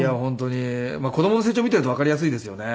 子供の成長を見ているとわかりやすいですよね。